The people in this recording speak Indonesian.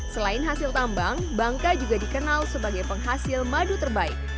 selain hasil tambang bangka juga dikenal sebagai penghasil madu terbaik